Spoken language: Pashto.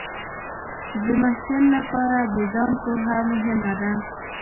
د محصل لپاره د ځان پوهه مهمه ده.